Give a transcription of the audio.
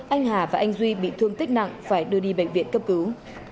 anh hà và anh duy bị thương tích nặng phải đưa đi bệnh viện cấp cứu